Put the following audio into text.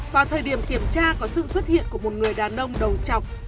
vào thời điểm kiểm tra có sự xuất hiện của một người đàn ông đầu chọc